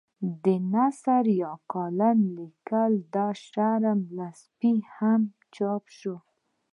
د نثر یا کالم لیکلو دا شرم له سپي هم چاپ شو.